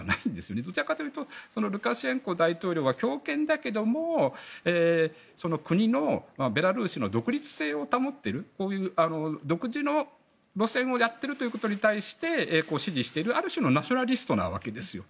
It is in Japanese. どちらかというとルカシェンコ大統領は強権だけれども国のベラルーシの独立性を保っている独自の路線をやっていることに対して支持されている、ある種のナショナリストなわけですよ。